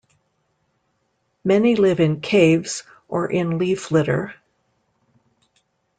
Many live in caves or in leaf litter.